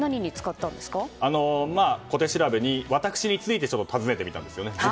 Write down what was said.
小手調べに、私について尋ねてみたんですよね。